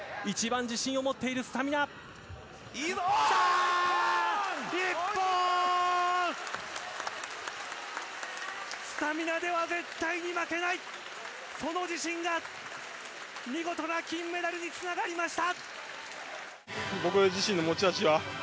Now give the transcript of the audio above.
スタミナでは絶対に負けないその自信が、見事な金メダルにつながりました。